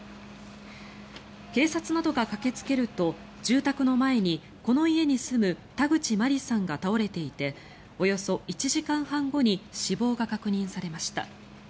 警察などが駆けつけると住宅の前にこの家に住む田口真理さんが倒れていておよそ１時間半後に死亡が確認されました。